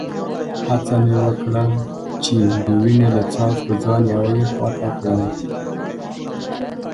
هڅه مې وکړل چي د وینې له څاڅکو څخه ځان یوې خوا ته کړم.